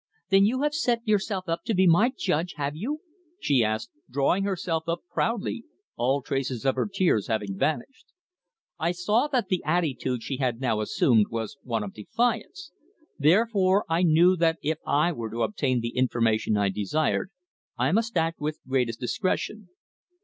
"Then you have set yourself up to be my judge, have you?" she asked, drawing herself up proudly, all traces of her tears having vanished. I saw that the attitude she had now assumed was one of defiance; therefore I knew that if I were to obtain the information I desired I must act with greatest discretion.